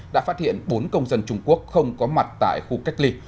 đã phát hiện bốn công dân trung quốc không có mặt tại khu cách ly